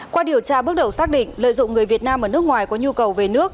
qua điều tra bước đầu xác định lợi dụng người việt nam ở nước ngoài có nhu cầu về nước